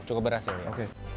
cukup berhasil ya